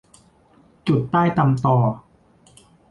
จุดไต้ตำตอ